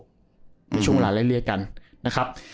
ในช่วงเวลาไล่เรียกกันนะครับ